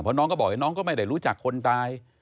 เพราะน้องก็บอกน้องก็ไม่ได้รู้จักคนตาย